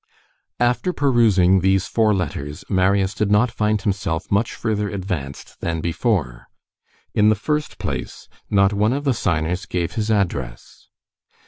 After perusing these four letters, Marius did not find himself much further advanced than before. In the first place, not one of the signers gave his address.